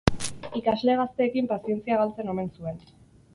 Ikasle gazteekin pazientzia galtzen omen zuen.